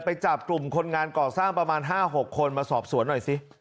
ไปจับกลุ่มคนงานก่อสร้างประมาณ๕๖คนมาสอบสวนหน่อยสิ